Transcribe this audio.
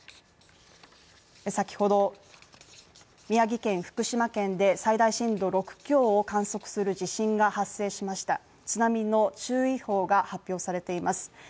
先ほど、宮城県福島県で最大震度６強を観測する地震が発生しました津波の注意報が発表されています